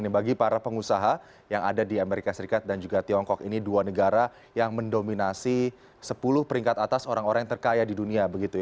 bagi para pengusaha yang ada di amerika serikat dan juga tiongkok ini dua negara yang mendominasi sepuluh peringkat atas orang orang terkaya di dunia